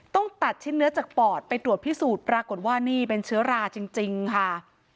ตัดชิ้นเนื้อจากปอดไปตรวจพิสูจน์ปรากฏว่านี่เป็นเชื้อราจริงค่ะ